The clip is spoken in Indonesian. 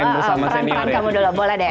boleh ya peran peran kamu dulu boleh deh